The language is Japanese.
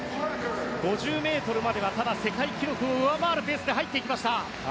ただ５０ｍまでは、世界記録を上回るペースで入ってきました。